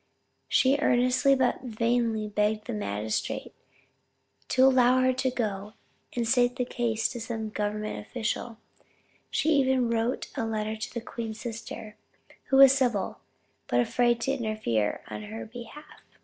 She earnestly but vainly begged the magistrate to allow her to go and state the case to some government officer; she even wrote a letter to the queen's sister, who was civil, but afraid to interfere in their behalf.